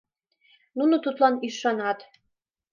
Нуно тудлан ӱшанат.